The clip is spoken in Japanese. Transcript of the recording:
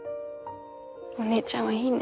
お姉ちゃんはいいね。